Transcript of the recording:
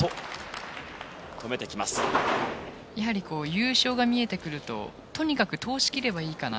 優勝が見えてくるととにかく、通し切ればいいかな